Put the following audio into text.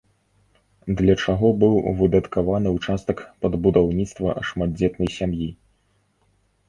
Для чаго быў выдаткаваны ўчастак пад будаўніцтва шматдзетнай сям'і?